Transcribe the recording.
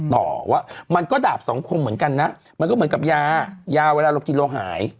ต่อว่ามันก็ดาบสองคมเหมือนกันนะมันก็เหมือนกับยายาเวลาเรากินเราหาย